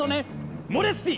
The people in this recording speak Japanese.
モレツティ！